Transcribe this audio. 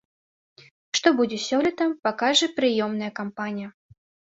Што будзе сёлета, пакажа прыёмная кампанія.